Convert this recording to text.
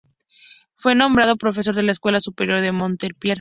Fue nombrado profesor de la Escuela Superior de Montpellier.